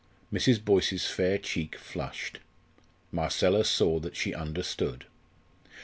Mrs. Boyce's fair cheek flushed. Marcella saw that she understood.